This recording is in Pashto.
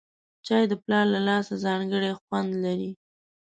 چای د پلار له لاسه ځانګړی خوند لري